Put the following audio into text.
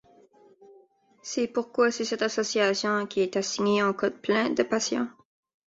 C'est pourquoi c'est cette association qui est assignée en cas de plaintes de patients.